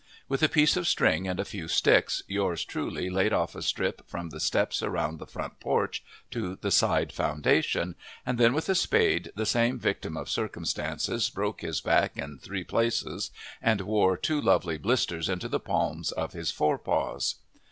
With a piece of string and a few sticks, Yours Truly laid off a strip from the steps around the front porch to the side foundation; and then with a spade the same victim of circumstances broke his back in three places and wore two lovely blisters into the palms of his forepaws.